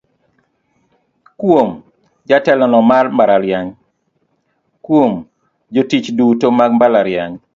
"Kuom: Jatelono mar mbalariany Kuom: Jotich duto mag mbalariany".